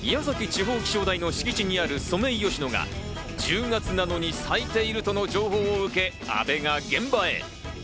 地方気象台の敷地にあるソメイヨシノが１０月なのに咲いているとの情報を受け、阿部が現場へ。